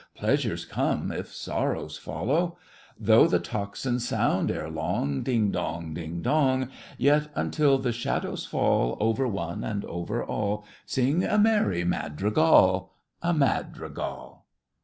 Pleasures come, if sorrows follow: Though the tocsin sound, ere long, Ding dong! Ding dong! Yet until the shadows fall Over one and over all, Sing a merry madrigal— A madrigal!